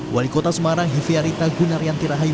wali kota semarang efe arita gunarianti rahayu